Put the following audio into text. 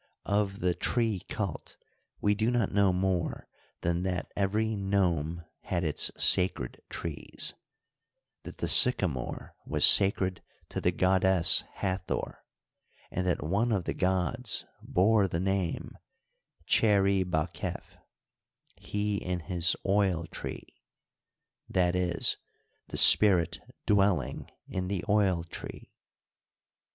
Of the tree cult we do not know more than that every nome had its sacred trees ; that the sycamore was sacred to the goddess Hathor, and that one of the gods bore the name Cheri^baqef " He in his oil tree "— i. e., the spirit dwelling in the oil tree.